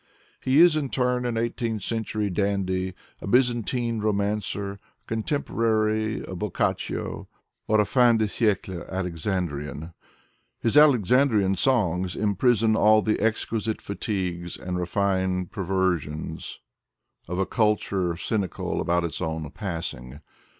He is in turn an eighteenth century dandy, a Byzantine romancer, a contemporary of Boccaccio, or a fin de Slide Alexandrian. His Alexandrian Songs imprison all the exquisite fatigues ' and refined perversions of a culture C3mical about its own passing.